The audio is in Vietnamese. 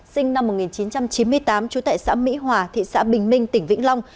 sinh năm một nghìn chín trăm chín mươi tám trú tại xã mỹ hòa thị xã bình minh tỉnh vĩnh long